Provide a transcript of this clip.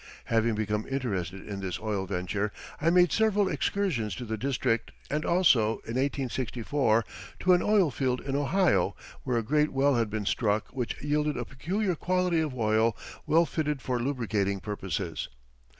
] Having become interested in this oil venture, I made several excursions to the district and also, in 1864, to an oil field in Ohio where a great well had been struck which yielded a peculiar quality of oil well fitted for lubricating purposes.